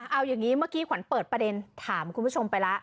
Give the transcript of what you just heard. เอาอย่างนี้เมื่อกี้ขวัญเปิดประเด็นถามคุณผู้ชมไปแล้ว